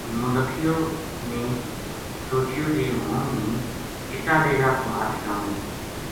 نولکھیو نے سوچیو جی ہن ہوں چِٹا لیلا پو ہتھ لائوں گو